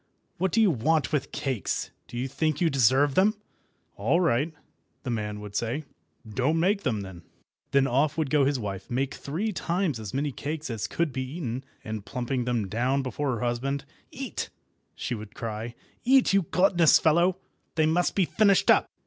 What do you want with cakes? Do you think you deserve them?" "All right," the man would say; "don't make them, then." Then off would go his wife, make three times as many cakes as could be eaten, and plumping them down before her husband— "Eat," she would cry—"eat, you gluttonous fellow! They must be finished up."